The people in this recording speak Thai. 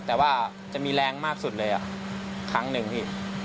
แต่ว่าจะมีแรงมากสุดเลยครั้งหนึ่งพี่